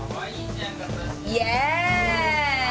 イエーイ！